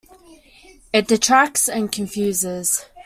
It detracts and confuses.